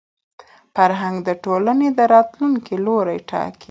فرهنګ د ټولني د راتلونکي لوری ټاکي.